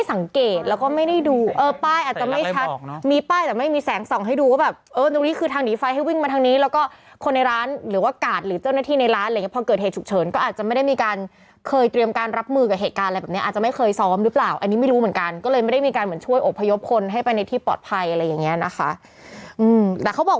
ส่องให้ดูว่าแบบเออตรงนี้คือทางดีไฟให้วิ่งมาทางนี้แล้วก็คนในร้านหรือว่ากาศหรือเจ้าหน้าที่ในร้านพอเกิดเหตุฉุกเฉินก็อาจจะไม่ได้มีการเคยเตรียมการรับมือกับเหตุการณ์อะไรแบบเนี้ยอาจจะไม่เคยซ้อมหรือเปล่าอันนี้ไม่รู้เหมือนกันก็เลยไม่ได้มีการเหมือนช่วยอบพยพคนให้ไปในที่ปลอดภัยอะไรอย่างเ